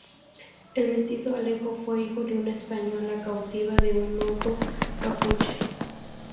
El mestizo Alejo fue hijo de una española cautiva de un lonco mapuche.